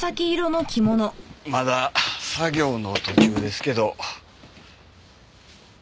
まだ作業の途中ですけどこれですわ。